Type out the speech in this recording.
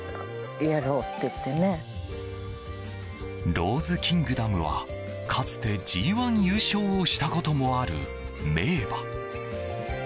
ローズキングダムは、かつてＧ１優勝をしたこともある名馬。